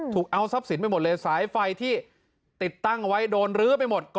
ถูกเอาซัพศิลป์ไปหมดเลยทายไฟที่ติดเต้นไว้ดูไม่หมด